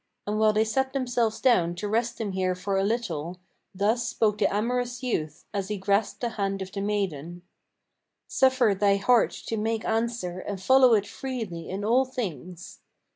And while they sat themselves down to rest them here for a little, Thus spoke the amorous youth, as he grasped the hand of the maiden: "Suffer thy heart to make answer, and follow it freely in all things."